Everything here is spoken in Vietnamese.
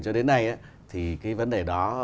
cho đến nay thì cái vấn đề đó